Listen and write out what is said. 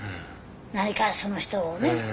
何かその人をね。